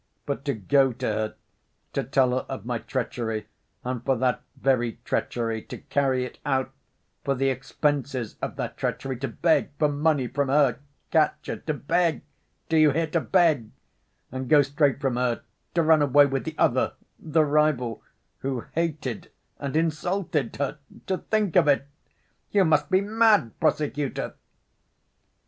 But to go to her, to tell her of my treachery, and for that very treachery, to carry it out, for the expenses of that treachery, to beg for money from her, Katya (to beg, do you hear, to beg), and go straight from her to run away with the other, the rival, who hated and insulted her—to think of it! You must be mad, prosecutor!"